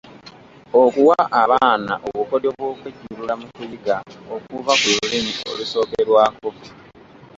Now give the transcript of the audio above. Okuwa abaana obukodyo bw’okwejjulula mu kuyiga okuva ku Lulimi olusookerwako.